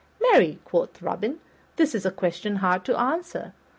"Marry," quoth Robin, "that is a question hard to answer.